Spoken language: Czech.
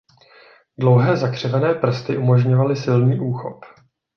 Dlouhé zakřivené prsty umožňovaly silný úchop.